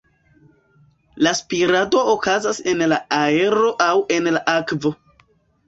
La spirado okazas en la aero aŭ en la akvo.